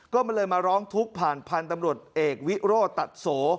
ก็เลยมาร้องทุกข์ผ่านพันธุ์ตำรวจเอกวิโร่ตัดโส